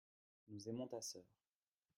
nous aimons ta sœur.